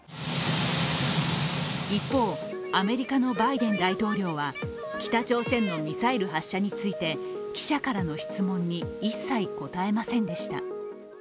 一方、アメリカのバイデン大統領は北朝鮮のミサイル発射について記者からの質問に一切答えませんでした。